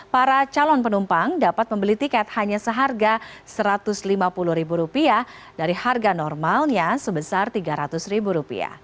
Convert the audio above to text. para calon penumpang dapat membeli tiket hanya seharga rp satu ratus lima puluh dari harga normalnya sebesar rp tiga ratus